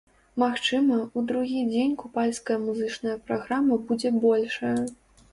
Магчыма, у другі дзень купальская музычная праграма будзе большая.